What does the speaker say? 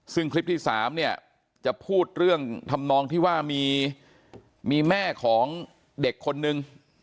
ซึ่งคลิปที่๓เนี่ยจะพูดเรื่องทำนองที่ว่ามีแม่ของเด็กคนนึง